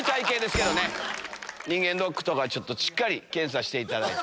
人間ドックとかしっかり検査していただいて。